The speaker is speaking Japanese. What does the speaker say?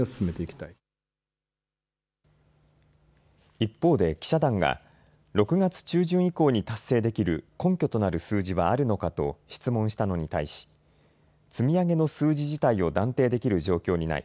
一方で記者団が６月中旬以降に達成できる根拠となる数字はあるのかと質問したのに対し積み上げの数字自体を断定できる状況にない。